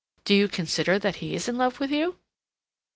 Do you consider that he is in love with you?